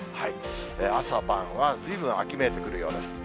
朝晩はずいぶん秋めいてくるようです。